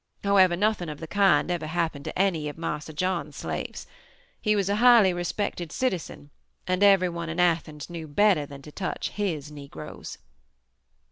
However, nothing of the kind ever happened to any of Marse John's slaves. He was a highly respected citizen and everyone in Athens knew better than to touch his Negroes.